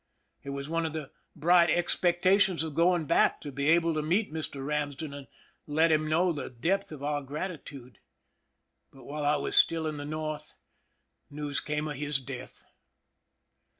It was one of the bright expectations of going back to be able to meet Mr. Ramsden and let him know the depth of our gratitude. But while I was still in the North news came of his death.